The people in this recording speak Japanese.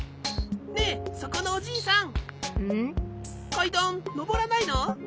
かいだんのぼらないの？